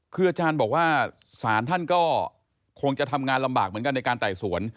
คืออาจารย์บอกว่าศาลท่านก็คงจะทำงานลำบากเหมือนกันในการไต่สวน